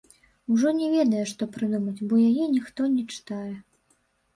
Ужо не ведае, што прыдумаць, бо яе ніхто не чытае.